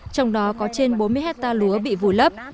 trong đó có trên bốn mươi hectare lúa bị vùi lấp